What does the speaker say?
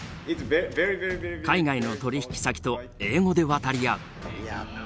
海外の取引先と英語で渡り合う。